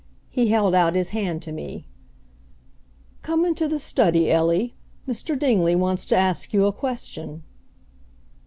He held out his hand to me. "Come into the study, Ellie, Mr. Dingley wants to ask you a question."